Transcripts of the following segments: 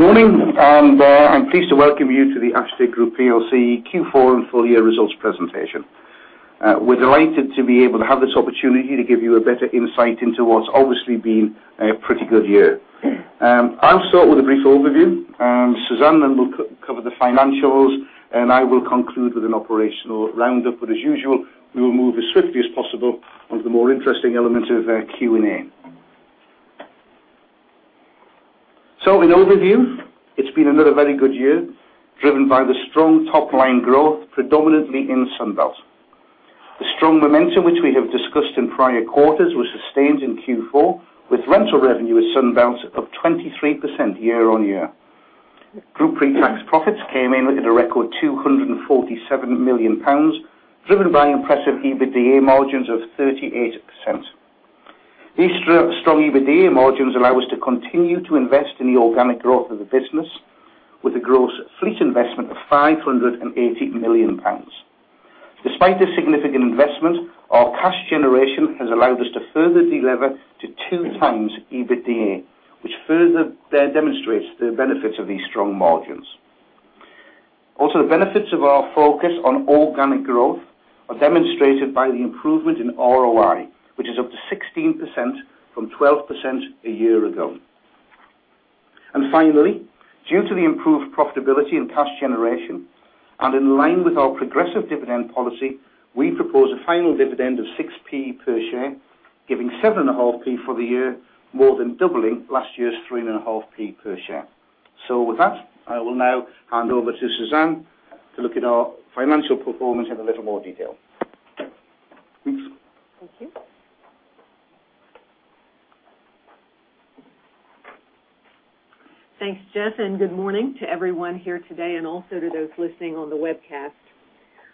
Good morning. I'm pleased to welcome you to the Ashtead Group plc Q4 and full year results presentation. We're delighted to be able to have this opportunity to give you a better insight into what's obviously been a pretty good year. I'll start with a brief overview. Suzanne will cover the financials, I will conclude with an operational roundup. As usual, we will move as swiftly as possible on to the more interesting element of Q&A. In overview, it's been another very good year, driven by the strong top-line growth, predominantly in Sunbelt. The strong momentum which we have discussed in prior quarters was sustained in Q4, with rental revenue at Sunbelt up 23% year-on-year. Group pre-tax profits came in at a record 247 million pounds, driven by impressive EBITDA margins of 38%. These strong EBITDA margins allow us to continue to invest in the organic growth of the business with a gross fleet investment of 580 million pounds. Despite this significant investment, our cash generation has allowed us to further de-lever to 2x EBITDA, which further demonstrates the benefits of these strong margins. Also, the benefits of our focus on organic growth are demonstrated by the improvement in ROI, which is up to 16% from 12% a year ago. Finally, due to the improved profitability and cash generation and in line with our progressive dividend policy, we propose a final dividend of 0.06 per share, giving 0.075 for the year, more than doubling last year's 0.035 per share. With that, I will now hand over to Suzanne to look at our financial performance in a little more detail. Thanks. Thank you. Thanks, Geoff, good morning to everyone here today and also to those listening on the webcast.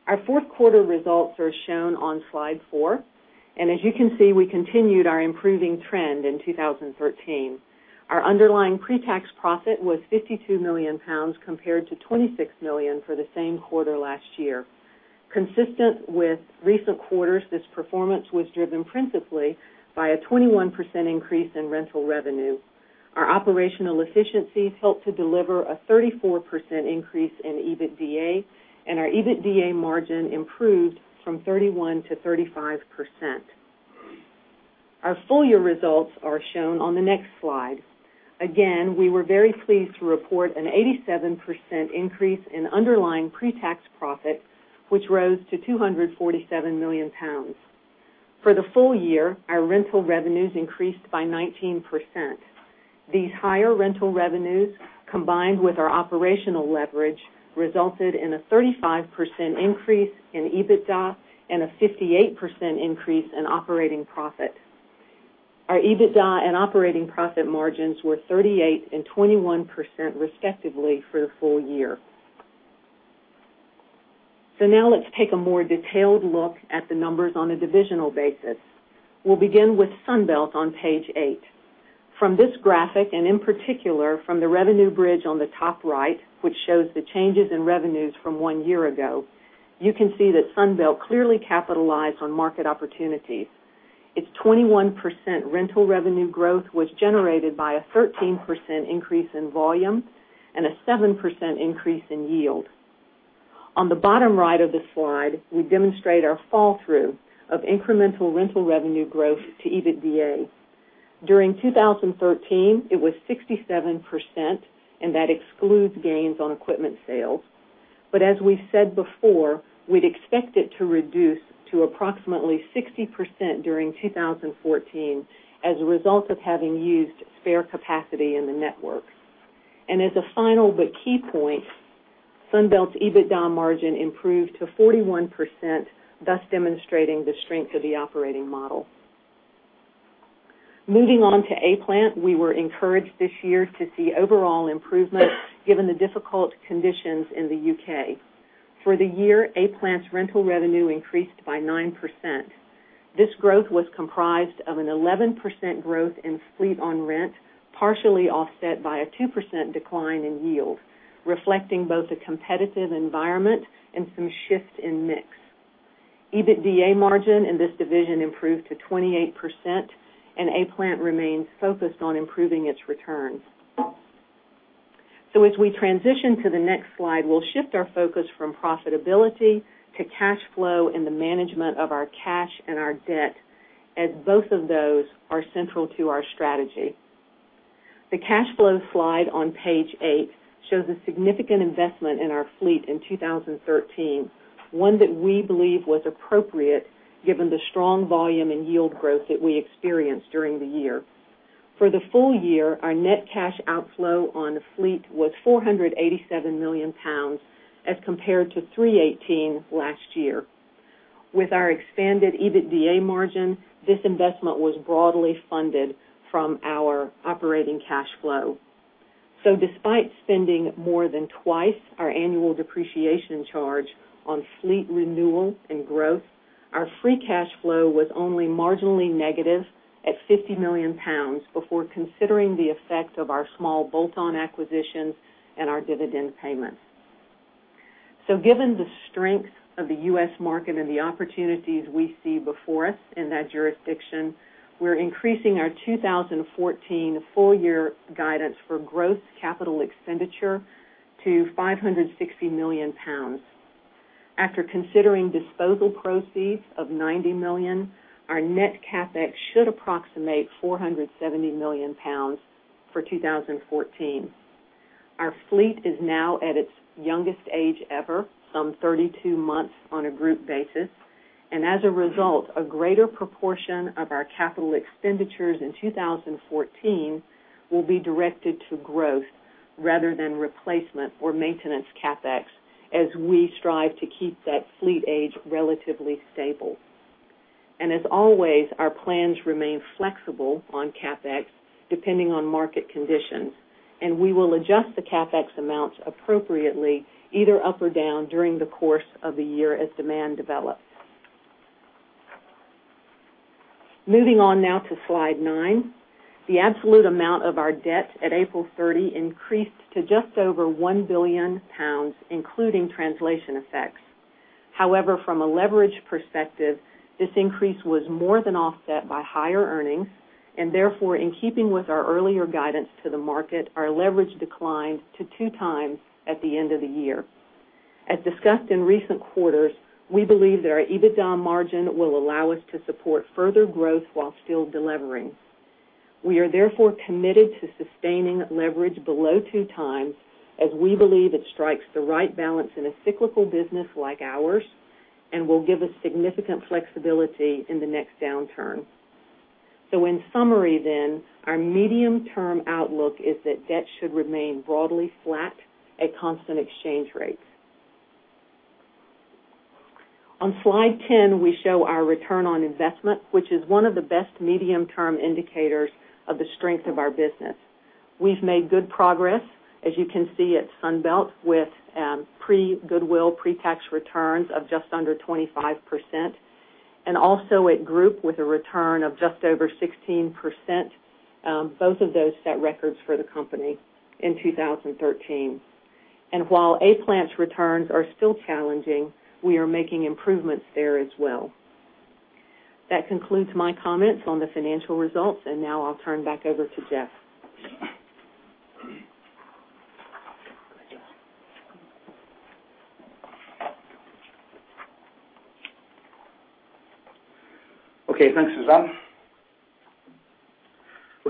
Our fourth quarter results are shown on slide four, as you can see, we continued our improving trend in 2013. Our underlying pre-tax profit was 52 million pounds, compared to 26 million for the same quarter last year. Consistent with recent quarters, this performance was driven principally by a 21% increase in rental revenue. Our operational efficiencies helped to deliver a 34% increase in EBITDA, our EBITDA margin improved from 31% to 35%. Our full year results are shown on the next slide. Again, we were very pleased to report an 87% increase in underlying pre-tax profit, which rose to 247 million pounds. For the full year, our rental revenues increased by 19%. These higher rental revenues, combined with our operational leverage, resulted in a 35% increase in EBITDA and a 58% increase in operating profit. Our EBITDA and operating profit margins were 38% and 21% respectively for the full year. Now let's take a more detailed look at the numbers on a divisional basis. We'll begin with Sunbelt on page eight. From this graphic, in particular from the revenue bridge on the top right, which shows the changes in revenues from one year ago, you can see that Sunbelt clearly capitalized on market opportunities. Its 21% rental revenue growth was generated by a 13% increase in volume and a 7% increase in yield. On the bottom right of the slide, we demonstrate our drop-through of incremental rental revenue growth to EBITDA. During 2013, it was 67%, that excludes gains on equipment sales. As we said before, we'd expect it to reduce to approximately 60% during 2014 as a result of having used spare capacity in the network. As a final but key point, Sunbelt's EBITDA margin improved to 41%, thus demonstrating the strength of the operating model. Moving on to A-Plant, we were encouraged this year to see overall improvement given the difficult conditions in the U.K. For the year, A-Plant's rental revenue increased by 9%. This growth was comprised of an 11% growth in fleet on rent, partially offset by a 2% decline in yield, reflecting both a competitive environment and some shift in mix. EBITDA margin in this division improved to 28%, and A-Plant remains focused on improving its returns. As we transition to the next slide, we'll shift our focus from profitability to cash flow and the management of our cash and our debt, as both of those are central to our strategy. The cash flow slide on page eight shows a significant investment in our fleet in 2013, one that we believe was appropriate given the strong volume and yield growth that we experienced during the year. For the full year, our net cash outflow on the fleet was 487 million pounds as compared to 318 million last year. With our expanded EBITDA margin, this investment was broadly funded from our operating cash flow. Despite spending more than twice our annual depreciation charge on fleet renewal and growth, our free cash flow was only marginally negative at 50 million pounds before considering the effect of our small bolt-on acquisitions and our dividend payments. Given the strength of the U.S. market and the opportunities we see before us in that jurisdiction, we're increasing our 2014 full-year guidance for gross capital expenditure to 560 million pounds. After considering disposal proceeds of 90 million, our net CapEx should approximate 470 million pounds for 2014. Our fleet is now at its youngest age ever, some 32 months on a group basis, and as a result, a greater proportion of our capital expenditures in 2014 will be directed to growth rather than replacement or maintenance CapEx, as we strive to keep that fleet age relatively stable. As always, our plans remain flexible on CapEx, depending on market conditions, and we will adjust the CapEx amounts appropriately either up or down during the course of the year as demand develops. Moving on now to slide nine. The absolute amount of our debt at April 30 increased to just over 1 billion pounds, including translation effects. However, from a leverage perspective, this increase was more than offset by higher earnings, and therefore, in keeping with our earlier guidance to the market, our leverage declined to two times at the end of the year. As discussed in recent quarters, we believe that our EBITDA margin will allow us to support further growth while still de-levering. We are therefore committed to sustaining leverage below two times, as we believe it strikes the right balance in a cyclical business like ours and will give us significant flexibility in the next downturn. In summary then, our medium-term outlook is that debt should remain broadly flat at constant exchange rates. On slide 10, we show our return on investment, which is one of the best medium-term indicators of the strength of our business. We've made good progress, as you can see, at Sunbelt with pre-goodwill, pre-tax returns of just under 25% and also at group with a return of just over 16%. Both of those set records for the company in 2013. While A-Plant's returns are still challenging, we are making improvements there as well. That concludes my comments on the financial results, now I'll turn back over to Geoff. Thanks, Suzanne.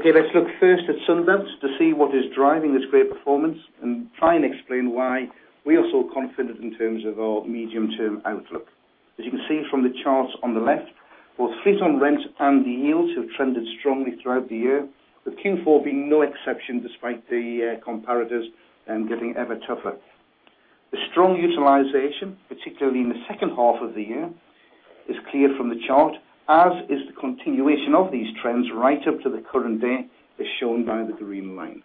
Let's look first at Sunbelt to see what is driving this great performance and try and explain why we are so confident in terms of our medium-term outlook. As you can see from the charts on the left, both fleet on rent and the yields have trended strongly throughout the year, with Q4 being no exception despite the comparators getting ever tougher. The strong utilization, particularly in the second half of the year, is clear from the chart, as is the continuation of these trends right up to the current day, as shown by the green line.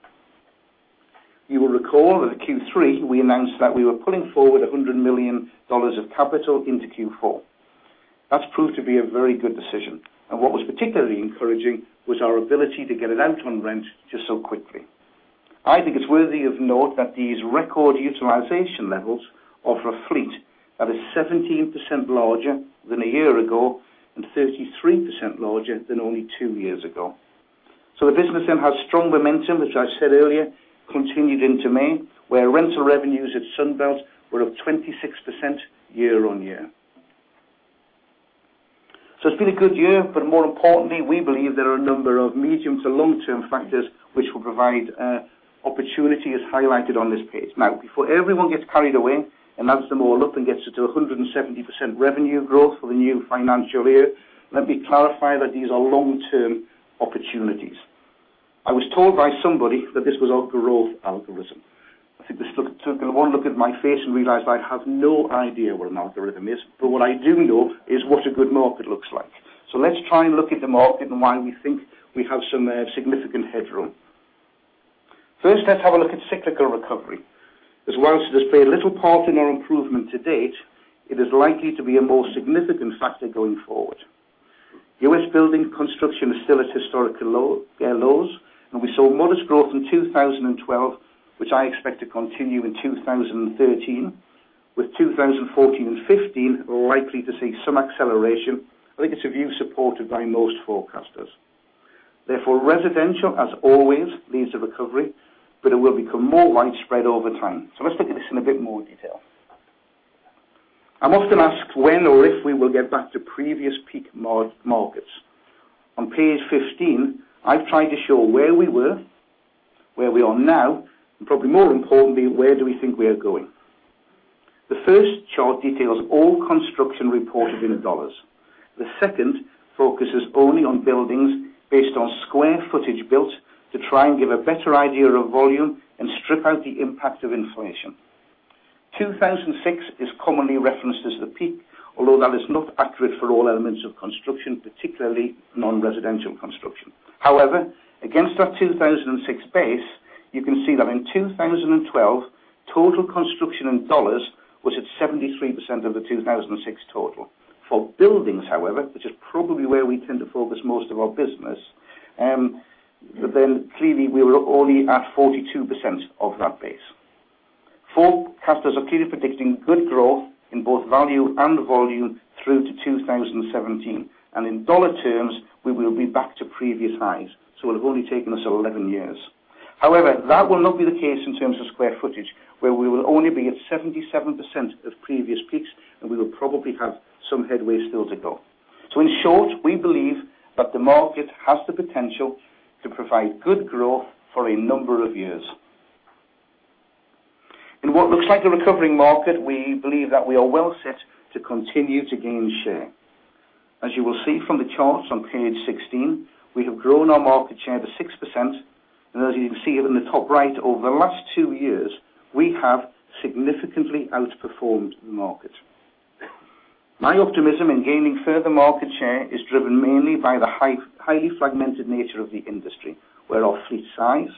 You will recall that in Q3, we announced that we were pulling forward GBP 100 million of capital into Q4. That's proved to be a very good decision. What was particularly encouraging was our ability to get an entrant rent just so quickly. I think it's worthy of note that these record utilization levels offer a fleet that is 17% larger than a year ago and 33% larger than only two years ago. The business then has strong momentum, which I said earlier, continued into May, where rental revenues at Sunbelt were up 26% year-on-year. It's been a good year, but more importantly, we believe there are a number of medium to long-term factors which will provide opportunities highlighted on this page. Now, before everyone gets carried away and adds them all up and gets it to 170% revenue growth for the new financial year, let me clarify that these are long-term opportunities. I was told by somebody that this was a growth algorithm. I think they took one look at my face and realized I have no idea what an algorithm is. What I do know is what a good market looks like. Let's try and look at the market and why we think we have some significant headroom. First, let's have a look at cyclical recovery. As well as it has played a little part in our improvement to date, it is likely to be a more significant factor going forward. U.S. building construction is still at historical lows, and we saw modest growth in 2012, which I expect to continue in 2013, with 2014 and 2015 likely to see some acceleration. I think it's a view supported by most forecasters. Therefore, residential, as always, leads the recovery, but it will become more widespread over time. Let's look at this in a bit more detail. I'm often asked when or if we will get back to previous peak markets. On page 15, I've tried to show where we were, where we are now, and probably more importantly, where do we think we are going. The first chart details all construction reported in dollars. The second focuses only on buildings based on square footage built to try and give a better idea of volume and strip out the impact of inflation. 2006 is commonly referenced as the peak, although that is not accurate for all elements of construction, particularly non-residential construction. However, against that 2006 base, you can see that in 2012, total construction in dollars was at 73% of the 2006 total. For buildings, however, which is probably where we tend to focus most of our business, clearly, we were only at 42% of that base. Forecasters are clearly predicting good growth in both value and volume through to 2017. In dollar terms, we will be back to previous highs. It will have only taken us 11 years. However, that will not be the case in terms of square footage, where we will only be at 77% of previous peaks, and we will probably have some headway still to go. In short, we believe that the market has the potential to provide good growth for a number of years. In what looks like a recovering market, we believe that we are well set to continue to gain share. As you will see from the charts on page 16, we have grown our market share to 6%, and as you can see in the top right, over the last two years, we have significantly outperformed the market. My optimism in gaining further market share is driven mainly by the highly fragmented nature of the industry, where our fleet size,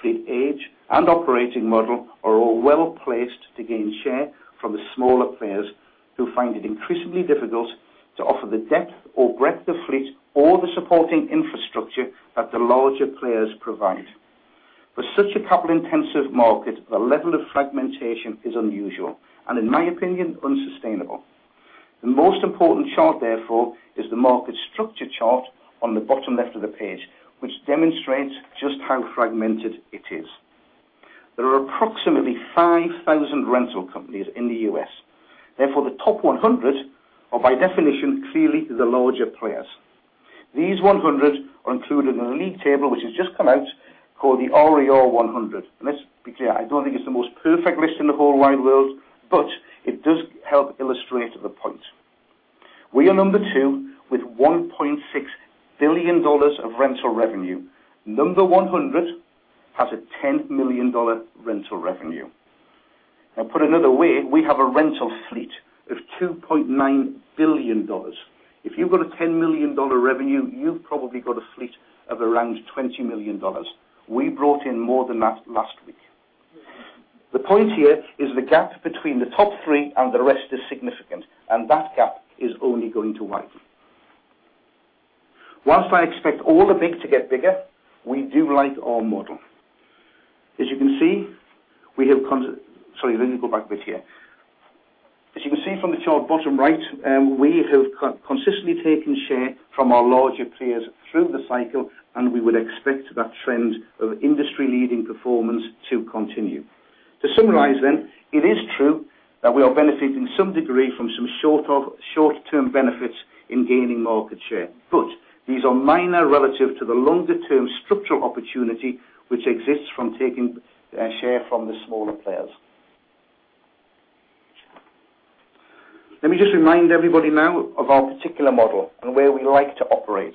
fleet age, and operating model are all well-placed to gain share from the smaller players who find it increasingly difficult to offer the depth or breadth of fleet or the supporting infrastructure that the larger players provide. For such a capital-intensive market, the level of fragmentation is unusual, and in my opinion, unsustainable. The most important chart therefore is the market structure chart on the bottom left of the page, which demonstrates just how fragmented it is. There are approximately 5,000 rental companies in the U.S. Therefore, the top 100 are by definition clearly the larger players. These 100 are included in a league table, which has just come out called the RER 100. Let's be clear, I don't think it's the most perfect list in the whole wide world, but it does help illustrate the point. We are number two with $1.6 billion of rental revenue. Number 100 has a $10 million rental revenue. Put another way, we have a rental fleet of $2.9 billion. If you've got a $10 million revenue, you've probably got a fleet of around $20 million. We brought in more than that last week. The point here is the gap between the top three and the rest is significant, and that gap is only going to widen. Whilst I expect all the big to get bigger, we do like our model. As you can see, we have Sorry, let me go back a bit here. As you can see from the chart bottom right, we have consistently taken share from our larger peers through the cycle. We would expect that trend of industry-leading performance to continue. To summarize, it is true that we are benefiting to some degree from some short-term benefits in gaining market share, but these are minor relative to the longer-term structural opportunity which exists from taking share from the smaller players. Let me just remind everybody now of our particular model and where we like to operate.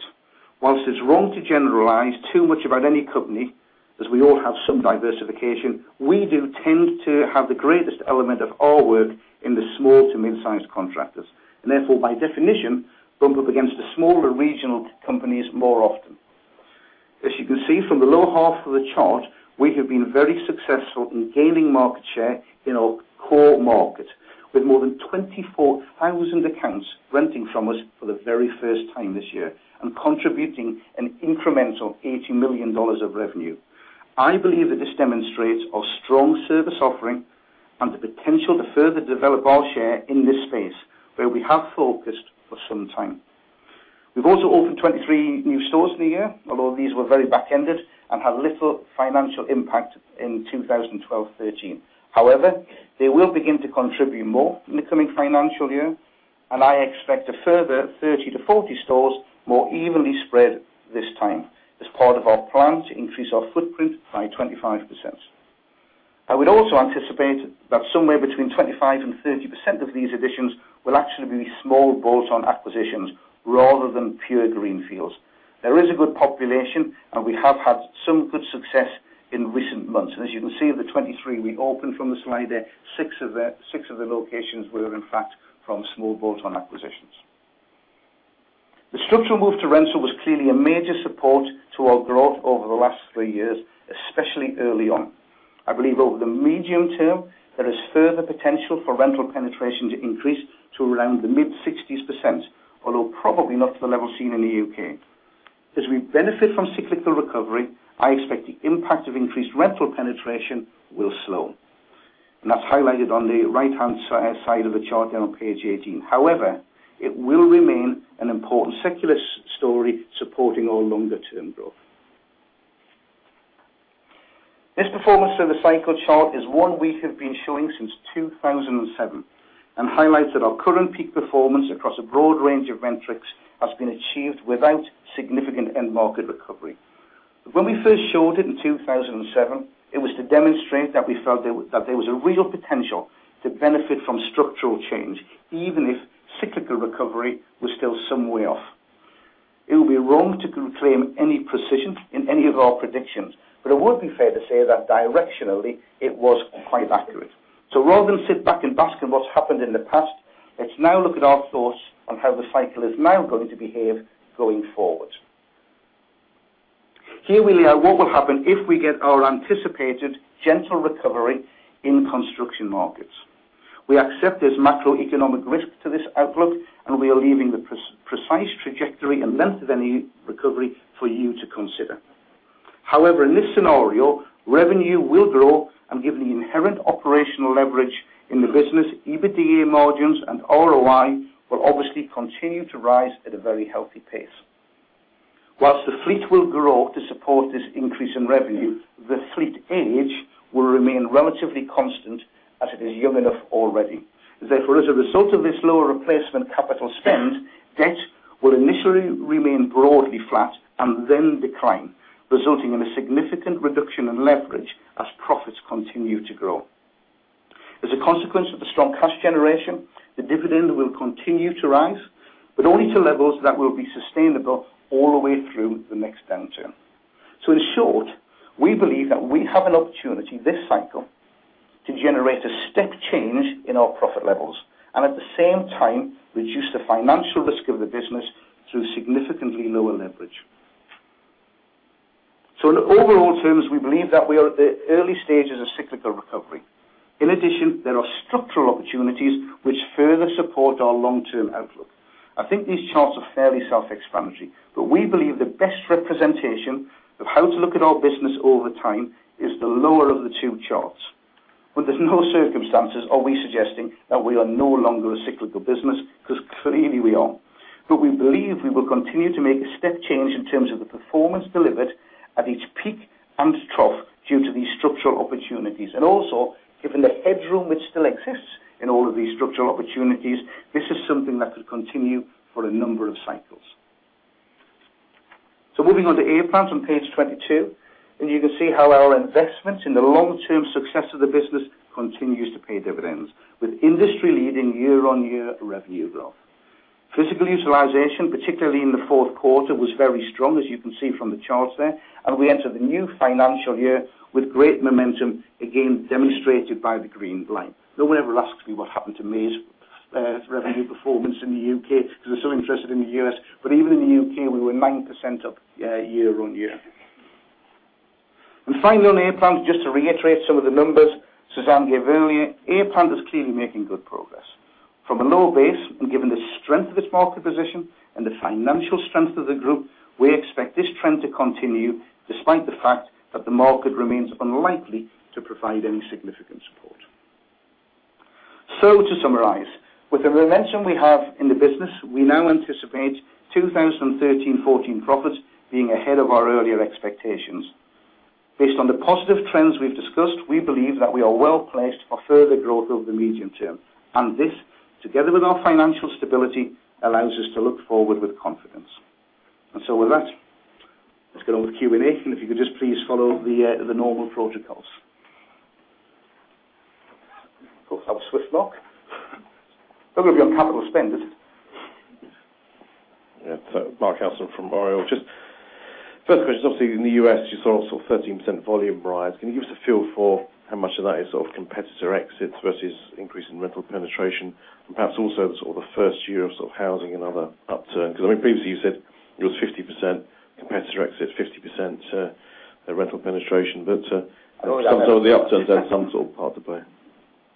Whilst it is wrong to generalize too much about any company, as we all have some diversification, we do tend to have the greatest element of our work in the small to mid-sized contractors, and therefore, by definition, bump up against the smaller regional companies more often. As you can see from the lower half of the chart, we have been very successful in gaining market share in our core market, with more than 24,000 accounts renting from us for the very first time this year and contributing an incremental $80 million of revenue. I believe that this demonstrates our strong service offering and the potential to further develop our share in this space, where we have focused for some time. We have also opened 23 new stores in the year, although these were very back-ended and had little financial impact in 2012/13. They will begin to contribute more in the coming financial year, and I expect a further 30 to 40 stores more evenly spread this time as part of our plan to increase our footprint by 25%. I would also anticipate that somewhere between 25% and 30% of these additions will actually be small bolt-on acquisitions rather than pure greenfields. There is a good population. We have had some good success in recent months. As you can see, of the 23 we opened from the slide there, six of the locations were in fact from small bolt-on acquisitions. The structural move to rental was clearly a major support to our growth over the last three years, especially early on. I believe over the medium term, there is further potential for rental penetration to increase to around the mid-60s%, although probably not to the level seen in the U.K. As we benefit from cyclical recovery, I expect the impact of increased rental penetration will slow, and that is highlighted on the right-hand side of the chart there on page 18. It will remain an important secular story supporting our longer-term growth. This performance through the cycle chart is one we have been showing since 2007 and highlights that our current peak performance across a broad range of metrics has been achieved without significant end market recovery. When we first showed it in 2007, it was to demonstrate that we felt that there was a real potential to benefit from structural change, even if cyclical recovery was still some way off. It would be wrong to claim any precision in any of our predictions, but it would be fair to say that directionally, it was quite accurate. Rather than sit back and bask in what has happened in the past, let us now look at our thoughts on how the cycle is now going to behave going forward. Here we lay out what will happen if we get our anticipated gentle recovery in construction markets. We accept there's macroeconomic risk to this outlook. We are leaving the precise trajectory and length of any recovery for you to consider. However, in this scenario, revenue will grow and give the inherent operational leverage in the business, EBITDA margins and ROI will obviously continue to rise at a very healthy pace. Whilst the fleet will grow to support this increase in revenue, the fleet age will remain relatively constant as it is young enough already. Therefore, as a result of this lower replacement capital spend, debt will initially remain broadly flat and then decline, resulting in a significant reduction in leverage as profits continue to grow. As a consequence of the strong cash generation, the dividend will continue to rise, only to levels that will be sustainable all the way through the next downturn. In short, we believe that we have an opportunity this cycle to generate a step change in our profit levels, and at the same time reduce the financial risk of the business through significantly lower leverage. In overall terms, we believe that we are at the early stages of cyclical recovery. In addition, there are structural opportunities which further support our long-term outlook. I think these charts are fairly self-explanatory. We believe the best representation of how to look at our business over time is the lower of the two charts. There's no circumstances are we suggesting that we are no longer a cyclical business, because clearly we are. We believe we will continue to make a step change in terms of the performance delivered at each peak and trough due to these structural opportunities. Given the headroom which still exists in all of these structural opportunities, this is something that could continue for a number of cycles. Moving on to A-Plant on page 22. You can see how our investments in the long-term success of the business continues to pay dividends. With industry leading year-on-year revenue growth. Physical utilization, particularly in the fourth quarter, was very strong, as you can see from the charts there. We enter the new financial year with great momentum again demonstrated by the green line. No one ever asks me what happened to May's revenue performance in the U.K. because they're so interested in the U.S. Even in the U.K., we were 9% up year on year. Finally on A-Plant, just to reiterate some of the numbers Suzanne gave earlier, A-Plant is clearly making good progress. From a low base. Given the strength of its market position and the financial strength of the group, we expect this trend to continue despite the fact that the market remains unlikely to provide any significant support. To summarize, with the momentum we have in the business, we now anticipate 2013-2014 profits being ahead of our earlier expectations. Based on the positive trends we've discussed, we believe that we are well-placed for further growth over the medium term. This, together with our financial stability, allows us to look forward with confidence. Let's get on with the Q&A. If you could just please follow the normal protocols. Of course, have Swift lock. We're going to be on capital spend. Yeah. Mark Hessel from Oriel. Just first question, obviously in the U.S. you saw 13% volume rise. Can you give us a feel for how much of that is competitor exits versus increase in rental penetration? Perhaps also the first year of housing and other upturn. Because I mean, previously you said it was 50% competitor exits, 50% rental penetration. I don't- some of the upturn has some sort of part to play.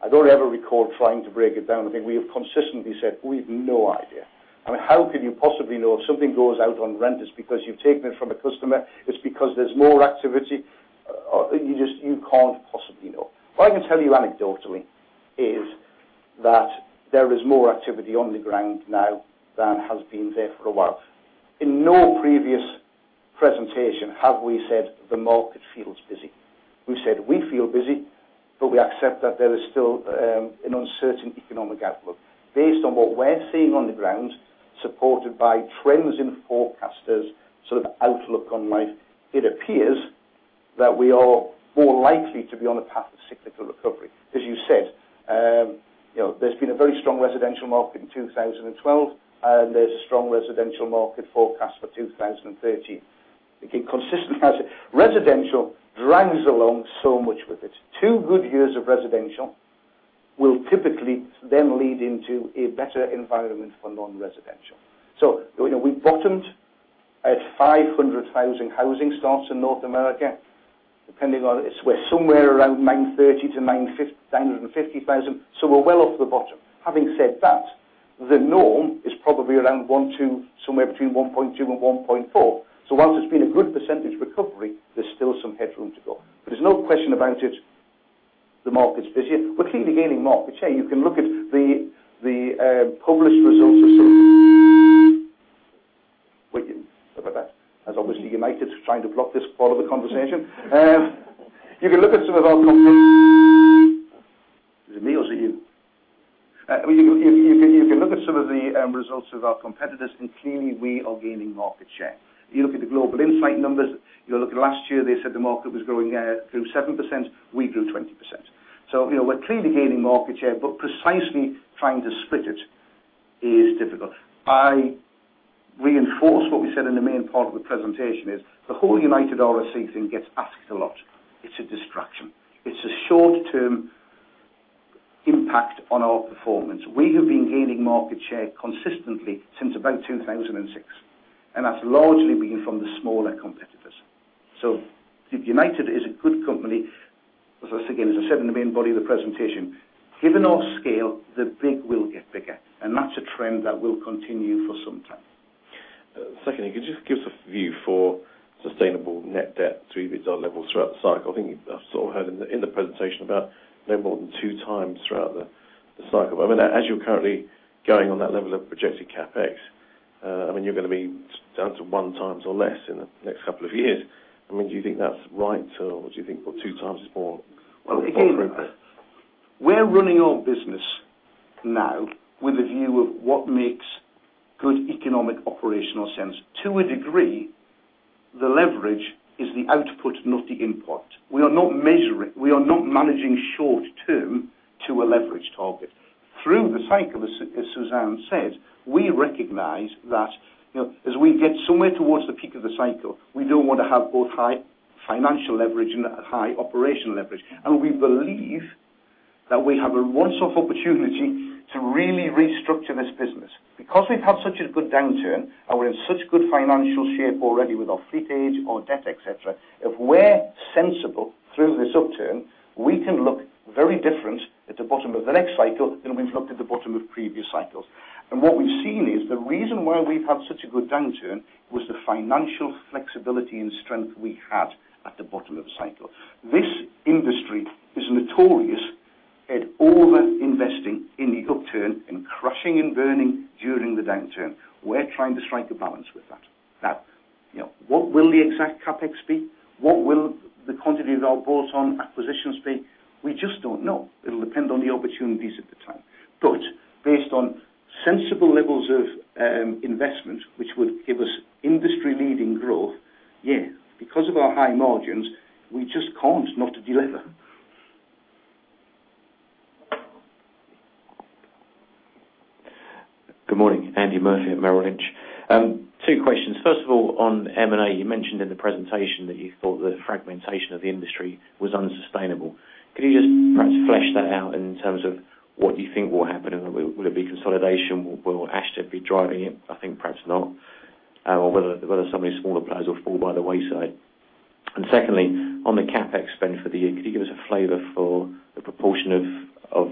I don't ever recall trying to break it down. I think we have consistently said we've no idea. I mean, how can you possibly know if something goes out on rent is because you've taken it from a customer, it's because there's more activity. You can't possibly know. What I can tell you anecdotally is that there is more activity on the ground now than has been there for a while. In no previous presentation have we said the market feels busy. We said we feel busy. We accept that there is still an uncertain economic outlook. Based on what we're seeing on the ground, supported by trends in forecasters sort of outlook on life, it appears that we are more likely to be on a path of cyclical recovery. As you said, there's been a very strong residential market in 2012. There's a strong residential market forecast for 2013. We keep consistent as residential drags along so much with it. Two good years of residential will typically lead into a better environment for non-residential. We bottomed at 500,000 housing starts in North America. Depending on it, we're somewhere around 930 to 950,000, so we're well off the bottom. Having said that, the norm is probably around 1.2, somewhere between 1.2 and 1.4. Whilst there's been a good percentage recovery, there's still some headroom to go. There's no question about it. The market's busy. We're clearly gaining market share. You can look at the published results of some. Sorry about that. Obviously United Rentals's trying to block this part of the conversation. You can look at some of our. Is it me or is it you? I mean, you can look at some of the end results of our competitors, and clearly we are gaining market share. You look at the Global Insight numbers, you look at last year, they said the market was growing through 7%, we grew 20%. We're clearly gaining market share, but precisely trying to split it is difficult. I reinforce what we said in the main part of the presentation is the whole United RSC thing gets asked a lot. It's a distraction. It's a short-term impact on our performance. We have been gaining market share consistently since about 2006, and that's largely been from the smaller competitors. United Rentals is a good company. As I said in the main body of the presentation, given our scale, the big will get bigger, and that's a trend that will continue for some time. Could you just give us a view for sustainable net debt through mid-year levels throughout the cycle? I think I sort of heard in the presentation about no more than 2x throughout the cycle. As you're currently going on that level of projected CapEx, you're going to be down to 1x or less in the next couple of years. Do you think that's right? Do you think 2x is more appropriate? Well, again, we're running our business now with a view of what makes good economic operational sense. To a degree, the leverage is the output, not the input. We are not managing short term to a leverage target. Through the cycle, as Suzanne said, we recognize that as we get somewhere towards the peak of the cycle, we don't want to have both high financial leverage and high operational leverage. We believe that we have a once-off opportunity to really restructure this business. Because we've had such a good downturn and we're in such good financial shape already with our fleet age, our debt, et cetera, if we're sensible through this upturn, we can look very different at the bottom of the next cycle than we've looked at the bottom of previous cycles. What we've seen is the reason why we've had such a good downturn was the financial flexibility and strength we had at the bottom of the cycle. This industry is notorious at over-investing in the upturn and crushing and burning during the downturn. We're trying to strike a balance with that. What will the exact CapEx be? What will the quantity of our bolt-on acquisitions be? We just don't know. It'll depend on the opportunities at the time. Based on sensible levels of investment, which would give us industry-leading growth, yeah, because of our high margins, we just can't not deliver. Good morning. Andy Murphy at Merrill Lynch. Two questions. First of all, on M&A, you mentioned in the presentation that you thought the fragmentation of the industry was unsustainable. Could you just perhaps flesh that out in terms of what you think will happen? Will it be consolidation? Will Ashtead be driving it? I think perhaps not. Whether some of these smaller players will fall by the wayside. Secondly, on the CapEx spend for the year, could you give us a flavor for the proportion of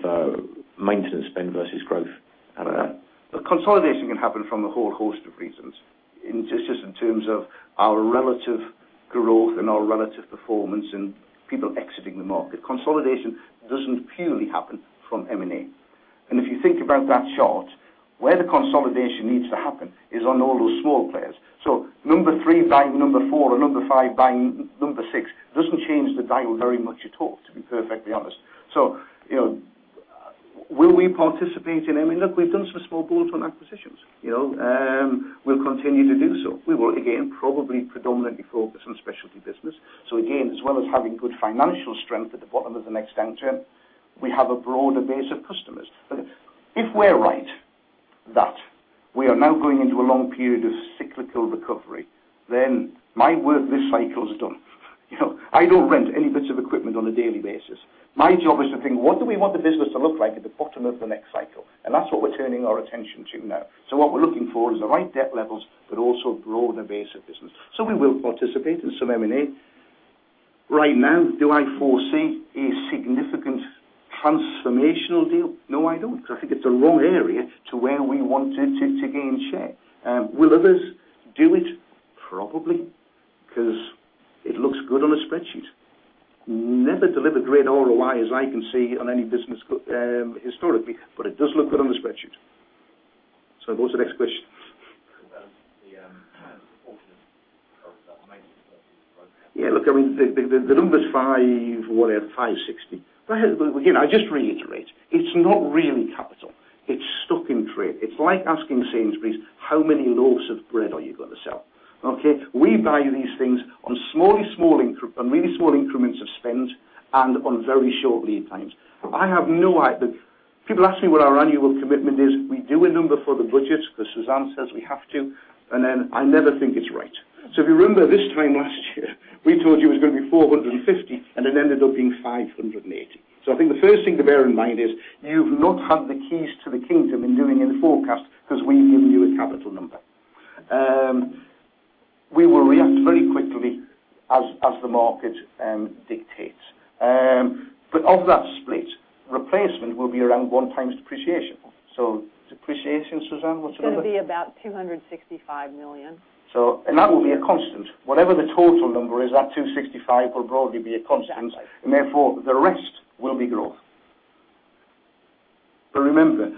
maintenance spend versus growth? The consolidation can happen from a whole host of reasons. It's just in terms of our relative growth and our relative performance and people exiting the market. Consolidation doesn't purely happen from M&A. If you think about that chart, where the consolidation needs to happen is on all those small players. Number 3 buying number 4 or number 5 buying number 6 doesn't change the dial very much at all, to be perfectly honest. Will we participate in M&A? Look, we've done some small bolt-on acquisitions. We'll continue to do so. We will, again, probably predominantly focus on specialty business. Again, as well as having good financial strength at the bottom of the next downturn, we have a broader base of customers. If we're right that we are now going into a long period of cyclical recovery, my work this cycle is done. I don't rent any bits of equipment on a daily basis. My job is to think, what do we want the business to look like at the bottom of the next cycle? That's what we're turning our attention to now. What we're looking for is the right debt levels, but also a broader base of business. We will participate in some M&A. Right now, do I foresee a significant transformational deal? No, I don't, because I think it's the wrong area to where we want to gain share. Will others do it? Probably, because it looks good on a spreadsheet. Never delivered great ROI, as I can see, on any business historically, but it does look good on the spreadsheet. Go to the next question. The proportion of that maintenance versus growth. Yeah, look, the number's 560. I just reiterate, it's not really capital. It's stock and trade. It's like asking Sainsbury's, how many loaves of bread are you going to sell? Okay. We value these things on really small increments of spend and on very short lead times. I have no idea. People ask me what our annual commitment is. We do a number for the budget because Suzanne says we have to, and then I never think it's right. If you remember this time last year, we told you it was going to be 450, and it ended up being 580. I think the first thing to bear in mind is you've not had the keys to the kingdom in doing any forecast because we give you a capital number. We will react very quickly as the market dictates. Of that split, replacement will be around one times depreciation. Depreciation, Suzanne, what's the number? It's going to be about 265 million. That will be a constant. Whatever the total number is, that 265 will broadly be a constant. Exactly. Therefore, the rest will be growth. Remember,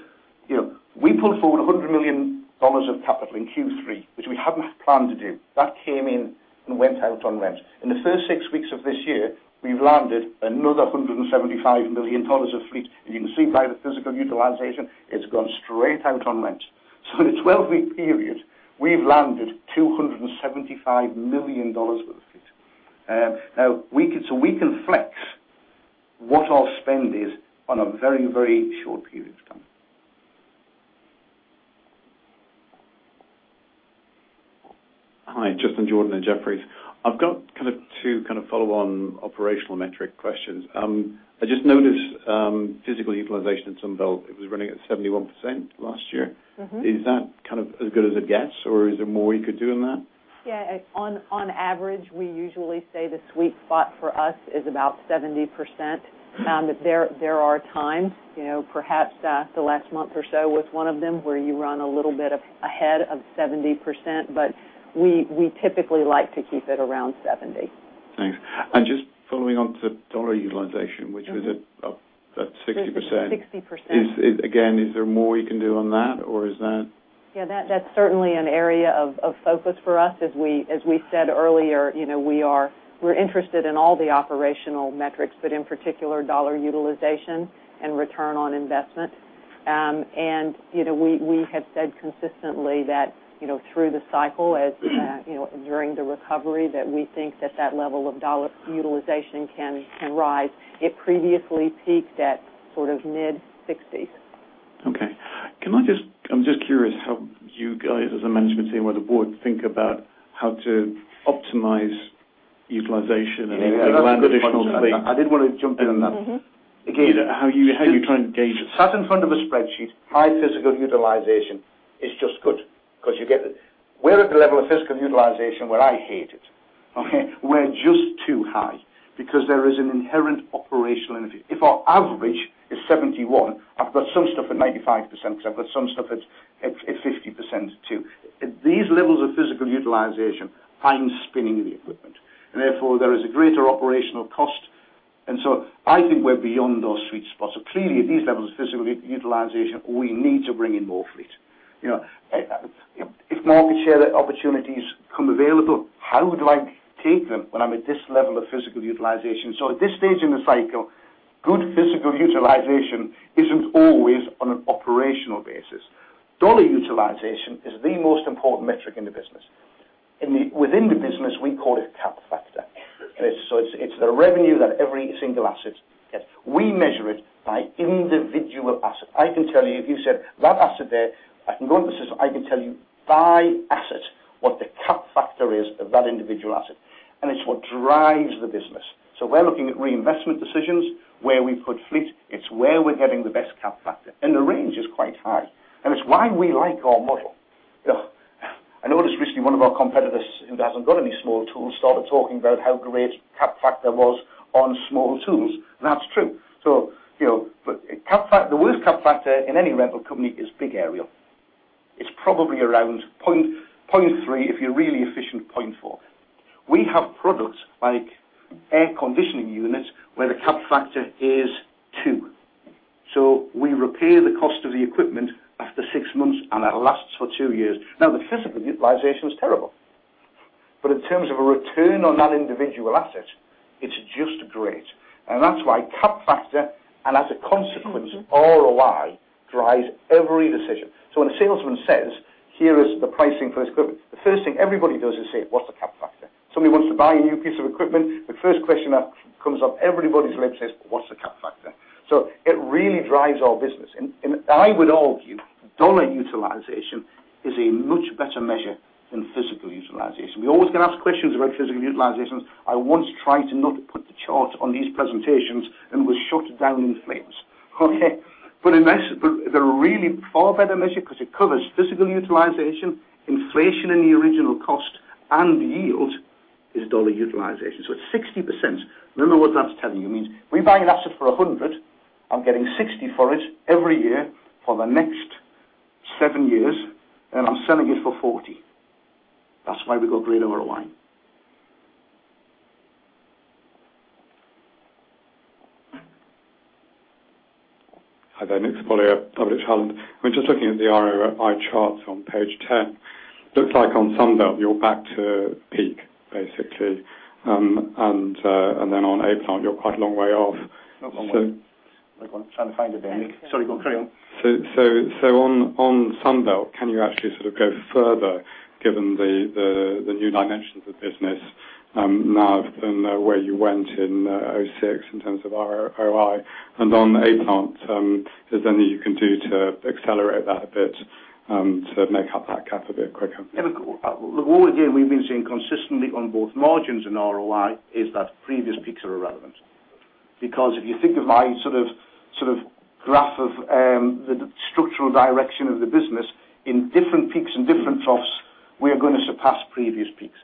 we pulled forward GBP 100 million of capital in Q3, which we hadn't planned to do. That came in and went out on rent. In the first six weeks of this year, we've landed another GBP 175 million of fleet, and you can see by the physical utilization, it's gone straight out on rent. In a 12-week period, we've landed GBP 275 million worth of fleet. We can flex what our spend is on a very short period of time. Hi, Justin Jordan at Jefferies. I have got two follow-on operational metric questions. I just noticed physical utilization at Sunbelt, it was running at 71% last year. Is that as good as it gets, or is there more you could do in that? Yeah. On average, we usually say the sweet spot for us is about 70%. There are times, perhaps the last month or so was one of them, where you run a little bit ahead of 70%, but we typically like to keep it around 70. Thanks. Just following on to dollar utilization, which was up at 60%. 60%. Is there more you can do on that? Yeah, that's certainly an area of focus for us. As we said earlier, we're interested in all the operational metrics, but in particular, dollar utilization and return on investment. We have said consistently that through the cycle, during the recovery, that we think that that level of dollar utilization can rise. It previously peaked at mid-60s. Okay. I'm just curious how you guys as a management team or the board think about how to optimize utilization. I did want to jump in on that. How you try and gauge it. Sat in front of a spreadsheet, high physical utilization is just good. We're at the level of physical utilization where I hate it. Okay. We're just too high because there is an inherent operational interface. If our average is 71, I've got some stuff at 95%, I've got some stuff at 50%, too. These levels of physical utilization, I'm spinning the equipment, and therefore, there is a greater operational cost. I think we're beyond those sweet spots. Clearly, at these levels of physical utilization, we need to bring in more fleet. If market share opportunities come available, how do I take them when I'm at this level of physical utilization? At this stage in the cycle, good physical utilization isn't always on an operational basis. Dollar utilization is the most important metric in the business. Within the business, we call it Capitalization factor. It's the revenue that every single asset gets. We measure it by individual asset. I can tell you, if you said, "That asset there," I can go on the system, I can tell you by asset what the Capitalization factor is of that individual asset. It's what drives the business. We're looking at reinvestment decisions, where we put fleet. It's where we're getting the best Capitalization factor. The range is quite high, and it's why we like our model. I noticed recently one of our competitors who hasn't got any small tools started talking about how great Capitalization factor was on small tools, and that's true. The worst Capitalization factor in any rental company is big aerial. It's probably around 0.3, if you're really efficient, 0.4. We have products like air conditioning units where the Capitalization factor is two. We repay the cost of the equipment after six months, and that lasts for two years. Now, the physical utilization is terrible. In terms of a return on that individual asset, it's just great. That's why Capitalization factor, and as a consequence, ROI, drives every decision. When a salesman says, "Here is the pricing for this equipment," the first thing everybody does is say, "What's the Capitalization factor?" Somebody wants to buy a new piece of equipment, the first question that comes up everybody's lips says, "What's the Capitalization factor?" It really drives our business. I would argue dollar utilization is a much better measure than physical utilization. We always get asked questions about physical utilizations. I once tried to not put the chart on these presentations and was shot down in flames. Okay. The really far better measure, because it covers physical utilization, inflation in the original cost, and yield, is dollar utilization. At 60%, no matter what that's telling you, means we're buying an asset for 100, I'm getting 60 for it every year for the next seven years, and I'm selling it for 40. That's why we've got great ROI. Hi there, Nick Spolia, Public Health. I'm just looking at the ROI charts on page 10. Looks like on Sunbelt, you're back to peak, basically. On A-Plant, you're quite a long way off. Not that one. That one. Trying to find it there. Sorry, go on. Carry on. On Sunbelt, can you actually go further given the new dimensions of business now than where you went in 2006 in terms of ROI? On A-Plant, is there anything you can do to accelerate that a bit to make up that gap a bit quicker? Look, all year we've been seeing consistently on both margins and ROI is that previous peaks are irrelevant. If you think of my graph of the structural direction of the business, in different peaks and different troughs, we are going to surpass previous peaks.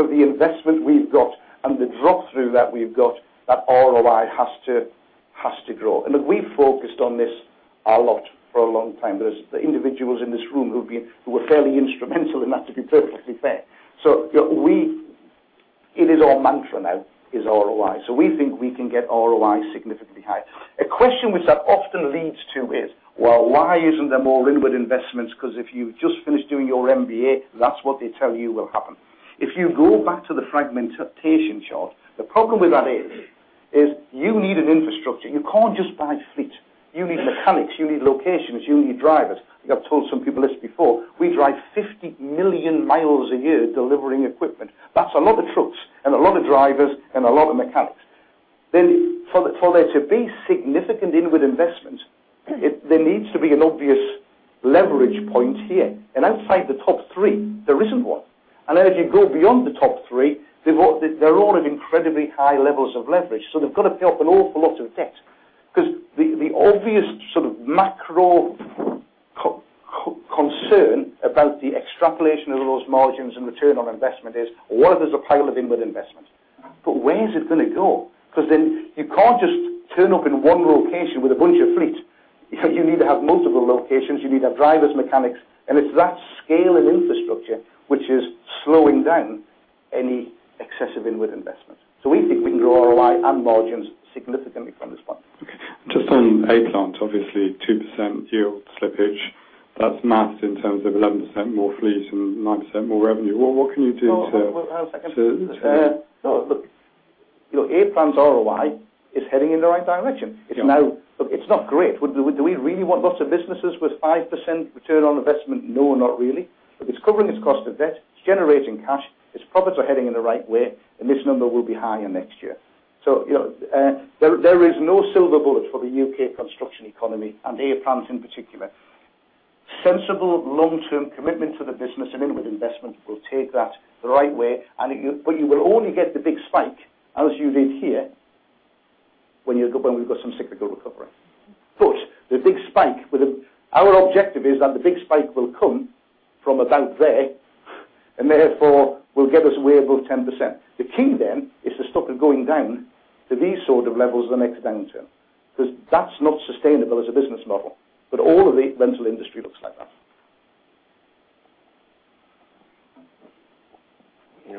It's a mathematical consequence of the investment we've got and the drop-through that we've got, that ROI has to grow. Look, we've focused on this a lot for a long time. There's the individuals in this room who were fairly instrumental in that, to be perfectly fair. It is our mantra now, is ROI. We think we can get ROI significantly higher. A question which that often leads to is, well, why isn't there more inward investments, because if you've just finished doing your MBA, that's what they tell you will happen. If you go back to the fragmentation chart, the problem with that is you need an infrastructure. You can't just buy fleet. You need mechanics. You need locations. You need drivers. I've told some people this before. We drive 50 million miles a year delivering equipment. That's a lot of trucks and a lot of drivers and a lot of mechanics. For there to be significant inward investments, there needs to be an obvious leverage point here. Outside the top three, there isn't one. If you go beyond the top three, they're all at incredibly high levels of leverage. They've got to build up an awful lot of debt. The obvious macro concern about the extrapolation of those margins and return on investment is, what if there's a pile of inward investment? Where is it going to go? You can't just turn up in one location with a bunch of fleet. You need to have multiple locations. You need to have drivers, mechanics, and it's that scale of infrastructure which is slowing down any excessive inward investment. We think we can grow ROI and margins significantly from this point. Okay. Just on A-Plant, obviously 2% yield slippage, that's masked in terms of 11% more fleet and 9% more revenue. What can you do to? Hold on a second. Look, A-Plant's ROI is heading in the right direction. Yeah. Look, it's not great. Do we really want lots of businesses with 5% return on investment? No, not really. It's covering its cost of debt. It's generating cash. Its profits are heading in the right way, and this number will be higher next year. There is no silver bullet for the U.K. construction economy, and A-Plant in particular. Sensible long-term commitment to the business and inward investment will take that the right way, you will only get the big spike, as you did here, when we've got some cyclical recovery. Our objective is that the big spike will come from about there, therefore, will get us way above 10%. The key is to stop it going down to these sort of levels the next downturn, because that's not sustainable as a business model. All of the rental industry looks like that.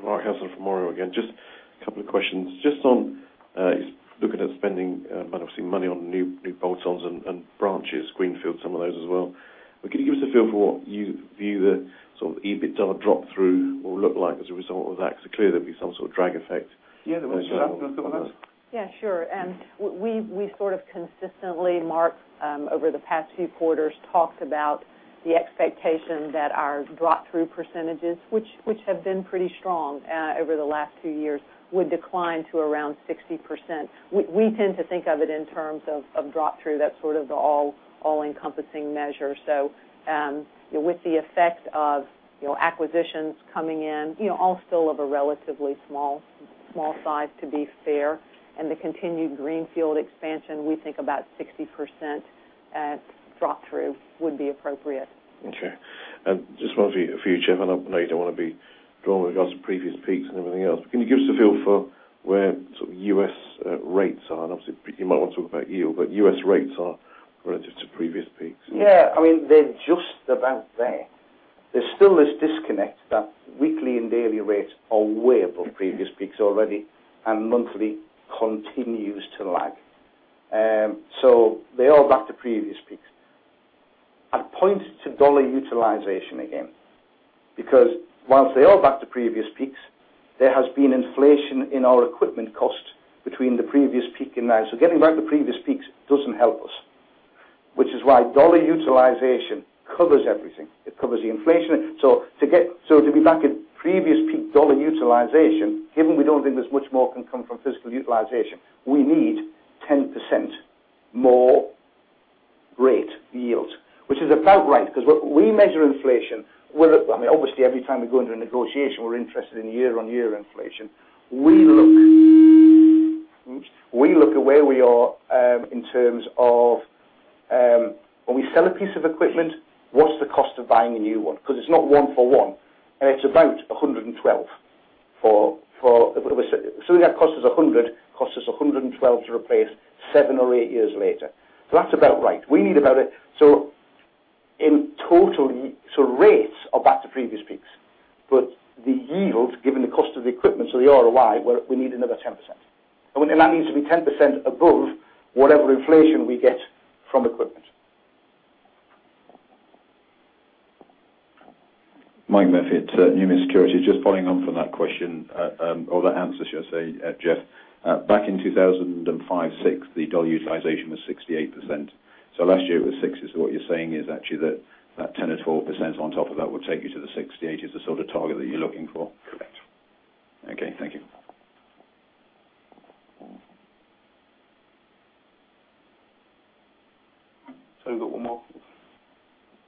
Mark Hessel from Oriel again. Just a couple of questions. Just on looking at spending obviously money on new bolt-ons and branches, greenfield, some of those as well. Can you give us a feel for what you view the EBITDA drop-through will look like as a result of that? Because clearly there'll be some sort of drag effect. Yeah. Do you want to go that one? Yeah, sure. We've consistently, Mark, over the past two quarters, talked about the expectation that our drop-through percentages, which have been pretty strong over the last two years, would decline to around 60%. We tend to think of it in terms of drop-through. That's sort of the all-encompassing measure. With the effect of acquisitions coming in, all still of a relatively small size, to be fair, and the continued greenfield expansion, we think about 60% drop-through would be appropriate. Okay. Just one for you, Geoff. I know you don't want to be drawn with regards to previous peaks and everything else. Can you give us a feel for where U.S. rates are? Obviously, you might want to talk about yield, but U.S. rates are relative to previous peaks. Yeah. They're just about there. There's still this disconnect that weekly and daily rates are way above previous peaks already, and monthly continues to lag. They are back to previous peaks. I'd point to dollar utilization again, because whilst they are back to previous peaks, there has been inflation in our equipment cost between the previous peak and now. Getting back to previous peaks doesn't help us, which is why dollar utilization covers everything. It covers the inflation. To be back at previous peak dollar utilization, given we don't think there's much more can come from physical utilization, we need 10% more rate yield, which is about right. Obviously, every time we go into a negotiation, we're interested in year-on-year inflation. We look at where we are in terms of when we sell a piece of equipment, what's the cost of buying a new one? It's not one for one, and it's about 112. Something that costs us 100 costs us 112 to replace seven or eight years later. That's about right. In total, rates are back to previous peaks, but the yield, given the cost of the equipment, so the ROI, we need another 10%. That needs to be 10% above whatever inflation we get from equipment. Mike Murphy at Numis Securities. Following on from that question, or the answer, should I say, Geoff. Back in 2005, 2006, the dollar utilization was 68%. Last year it was 60%. What you're saying is actually that that 10% or 12% on top of that will take you to the 68% as the sort of target that you're looking for? Correct. Okay. Thank you. We've got one more.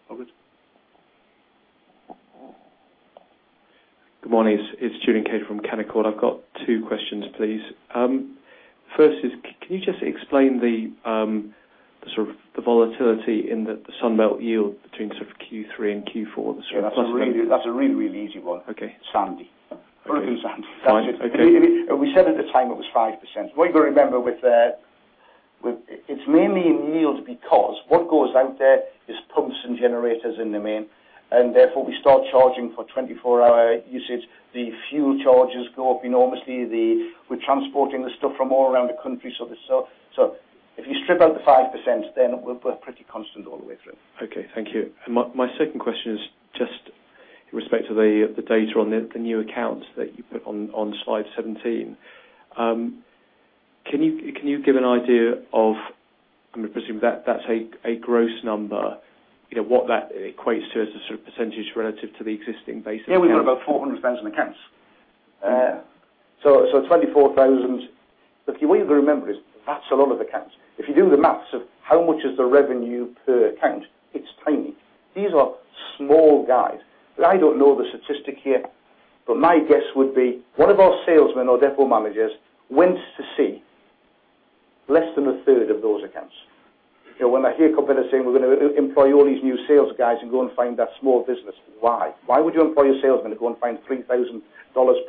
Robert. Good morning. It's Julian Cater from Canaccord. I've got two questions, please. First is, can you just explain the volatility in the Sunbelt yield between Q3 and Q4? Yeah, that's a really, really easy one. Okay. Sandy. Okay. Frigging Sandy. Fine. Okay. We said at the time it was 5%. What you got to remember, it's mainly in yields because what goes out there is pumps and generators in the main, and therefore, we start charging for 24-hour usage. The fuel charges go up enormously. We're transporting the stuff from all around the country. If you strip out the 5%, then we're pretty constant all the way through. Okay. Thank you. My second question is just in respect to the data on the new accounts that you put on slide 17. Can you give an idea of, I'm going to presume that's a gross number, what that equates to as a percentage relative to the existing base account? Yeah, we've got about 400,000 accounts. 24,000. Look, what you got to remember is that's a lot of accounts. If you do the math of how much is the revenue per account, it's tiny. These are small guys. I don't know the statistic here. But my guess would be one of our salesmen or depot managers went to see less than a third of those accounts. When I hear competitors saying, "We're going to employ all these new sales guys and go and find that small business." Why? Why would you employ a salesman to go and find GBP 3,000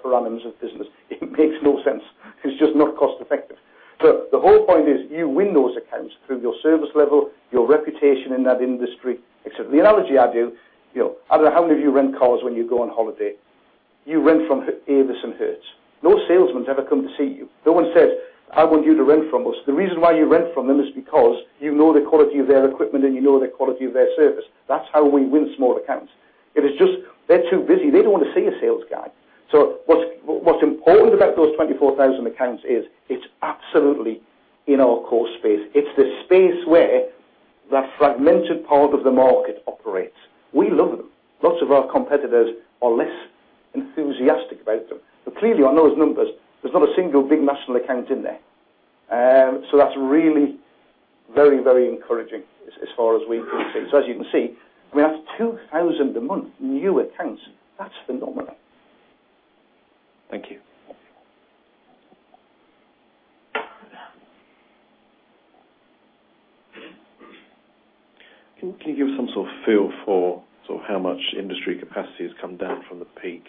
per annum of business? It makes no sense. It's just not cost effective. Look, the whole point is you win those accounts through your service level, your reputation in that industry. The analogy I do, I don't know how many of you rent cars when you go on vacation. You rent from Avis and Hertz. No salesman's ever come to see you. No one says, "I want you to rent from us." The reason why you rent from them is because you know the quality of their equipment, and you know the quality of their service. That's how we win small accounts. It is just they're too busy. They don't want to see a sales guy. What's important about those 24,000 accounts is it's absolutely in our core space. It's the space where the fragmented part of the market operates. We love them. Lots of our competitors are less enthusiastic about them. Clearly, on those numbers, there's not a single big national account in there. That's really very encouraging as far as we can see. As you can see, we have 2,000 a month new accounts. That's phenomenal. Thank you. Can you give some sort of feel for how much industry capacity has come down from the peak?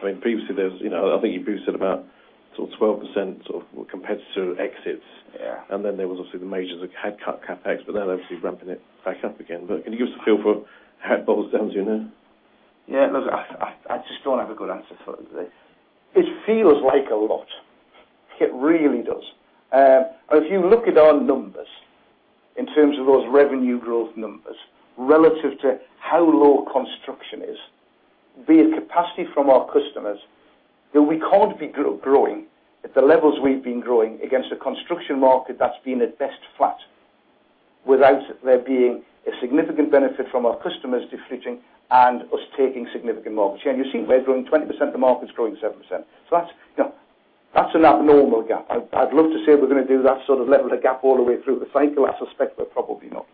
Previously, I think you boasted about 12% of competitor exits. Yeah. There was also the majors had cut CapEx, they're obviously ramping it back up again. Can you give us a feel for how it boils down to now? Look, I just don't have a good answer for this. It feels like a lot. It really does. If you look at our numbers in terms of those revenue growth numbers relative to how low construction is, be it capacity from our customers, we can't be growing at the levels we've been growing against a construction market that's been, at best, flat, without there being a significant benefit from our customers depleting and us taking significant market share. You see we're growing 20%; the market's growing 7%. That's an abnormal gap. I'd love to say we're going to do that sort of level of gap all the way through the cycle. I suspect we're probably not.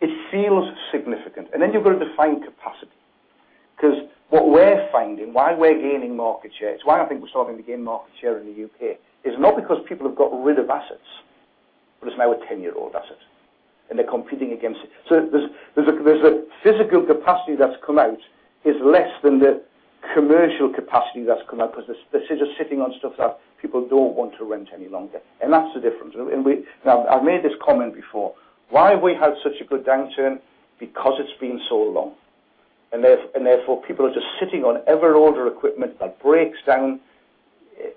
It feels significant. You've got to define capacity. What we're finding, why we're gaining market share, it's why I think we're starting to gain market share in the U.K., is not because people have got rid of assets, but it's now a 10-year-old asset, and they're competing against it. There's a physical capacity that's come out is less than the commercial capacity that's come out because they're just sitting on stuff that people don't want to rent any longer. That's the difference. I made this comment before. Why have we had such a good downturn? It's been so long. Therefore, people are just sitting on ever older equipment that breaks down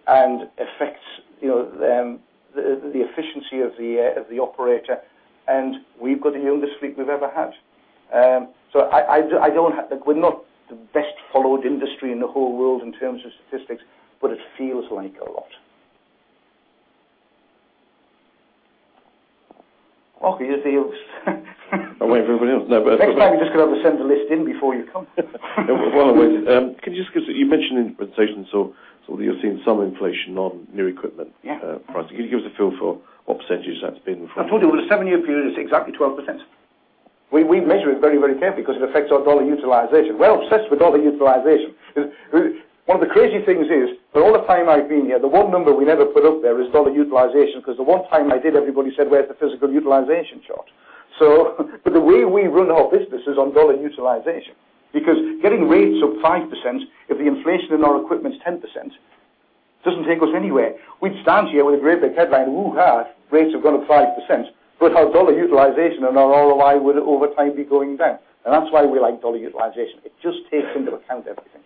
and affects the efficiency of the operator. We've got the youngest fleet we've ever had. We're not the best followed industry in the whole world in terms of statistics, but it feels like a lot. You're the I'll wait for everybody else. Next time, you're just going to have to send the list in before you come. While I'm waiting, you mentioned in the presentation, so you're seeing some inflation on new equipment- Yeah pricing. Can you give us a feel for what percentage that's been. I told you, over the seven-year period, it's exactly 12%. We measure it very carefully because it affects our dollar utilization. We're obsessed with dollar utilization. One of the crazy things is, for all the time I've been here, the one number we never put up there is dollar utilization because the one time I did, everybody said, "Where's the physical utilization chart?" The way we run our business is on dollar utilization because getting rates of 5%, if the inflation in our equipment's 10%, doesn't take us anywhere. We'd stand here with a great big headline, "Woo-hah, rates have gone up 5%." Our dollar utilization and our ROI would over time be going down. That's why we like dollar utilization. It just takes into account everything.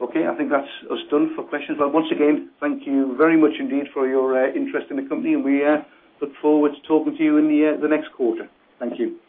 Okay. I think that's us done for questions. Once again, thank you very much indeed for your interest in the company, and we look forward to talking to you in the next quarter. Thank you.